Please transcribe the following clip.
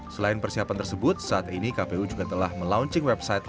selain persiapan tersebut saat ini kpu juga telah melaunching website